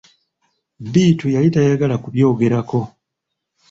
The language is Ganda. Bittu yali tayagala kubyogerako.